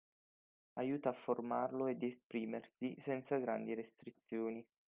Aiuta a formarlo e di esprimersi senza grandi restrizioni.